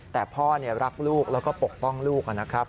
แต่พ่อรักลูกแล้วก็ปกป้องลูกนะครับ